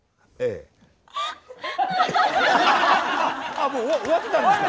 あもう終わってたんですか？